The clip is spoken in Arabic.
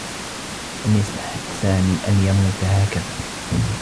لم يستحقّ سامي أن يموت هكذا.